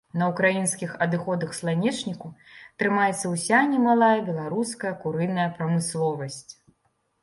На ўкраінскіх адыходах сланечніку трымаецца ўся немалая беларуская курыная прамысловасць.